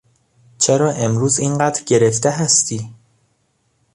چرا امروز اینقدر گرفته هستی؟